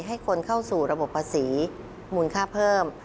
ให้คนเข้าสู่ระบบภาษีมูลค่าเพิ่ม